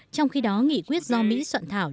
trong khi đó nghị quyết do mỹ soạn thảo